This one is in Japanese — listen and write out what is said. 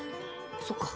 そっか。